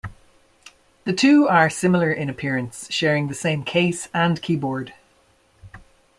The two are similar in appearance, sharing the same case and keyboard.